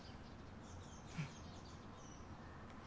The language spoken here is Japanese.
うん。